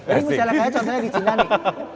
jadi misalnya kayak contohnya di cina nih